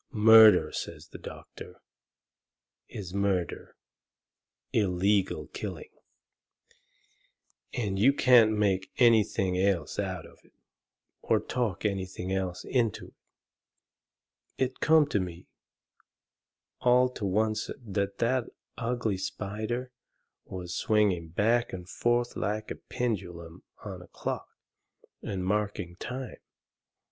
"Murder," says the doctor, "is murder illegal killing and you can't make anything else out of it, or talk anything else into it." It come to me all to oncet that that ugly spider was swinging back and forth like the pendulum on a clock, and marking time.